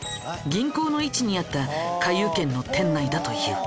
銀行の位置にあった花遊軒の店内だという。